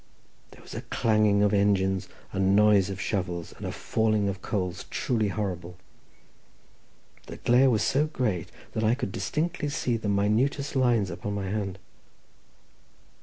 There was a clanging of engines, a noise of shovels and a falling of coals truly horrible. The glare was so great that I could distinctly see the minutest lines upon my hand.